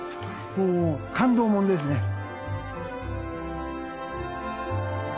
もう感動ものですね。